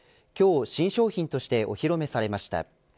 今日、新商品としてお披露目されました。